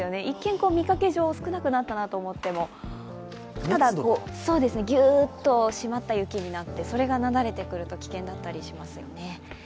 一見、見かけ上、少なくなったと思ってもギューッと締まった雪になって、それがなだれてくると危険だったりしますよね。